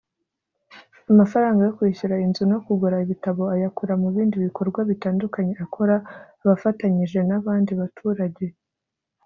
amafaranga yo kwishyura inzu no kugura ibitabo ayakura mu bindi bikorwa bitandukanye akora abafatanyije n’abandi baturage